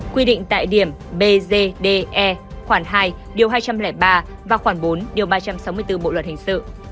quy định tại điểm bzde khoảng hai hai trăm linh ba và khoảng bốn ba trăm sáu mươi bốn bộ luật hình sự